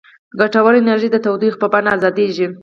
ګټوره انرژي د تودوخې په بڼه ازادیږي.